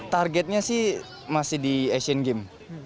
targetnya sih masih di asian games